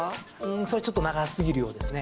それちょっと長すぎるようですね。